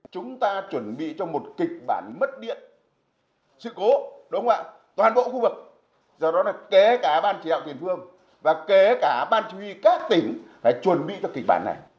chúng ta chuẩn bị cho một kịch bản mất điện sự cố đúng không ạ toàn bộ khu vực do đó là kế cả ban chỉ đạo tiền phương và kế cả ban chỉ huy các tỉnh phải chuẩn bị cho kịch bản này